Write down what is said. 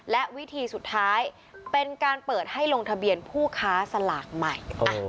และวิธีสุดท้ายเป็นการเปิดให้ลงทะเบียนผู้ค้าสลากใหม่